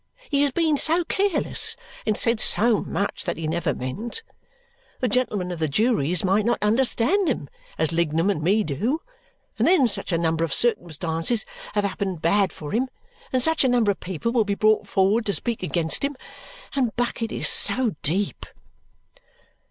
He has been so careless and said so much that he never meant. The gentlemen of the juries might not understand him as Lignum and me do. And then such a number of circumstances have happened bad for him, and such a number of people will be brought forward to speak against him, and Bucket is so deep."